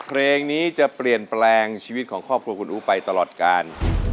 เพลงนี้จะเปลี่ยนแปลงชีวิตของครอบครัวคุณอู๋ไปตลอดการ